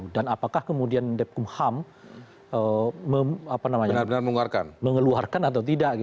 dan apakah kemudian menkumham mengeluarkan atau tidak